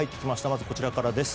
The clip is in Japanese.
まず、こちらからです。